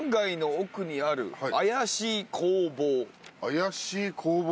怪しい工房？